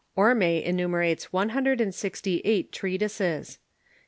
Orme enumerates one hun dred and sixty eight treatises.